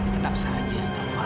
gimana ini allah